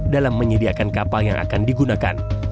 dalam menyediakan kapal yang akan digunakan